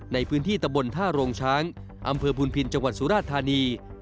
ในพื้นที่ตะบนท่าโรงช้างอำเภอพูนพินจังหวัดสุราธานี